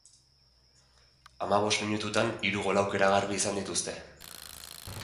Hamabost minututan hiru gol aukera garbi izan dituzte.